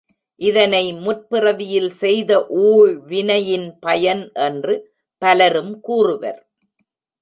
இதனை முற்பிறவியில் செய்த ஊழ் வினையின் பயன் என்று பலரும் கூறுவர்.